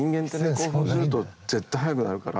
興奮すると絶対速くなるから。